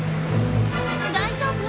大丈夫？